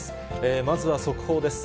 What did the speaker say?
まずは速報です。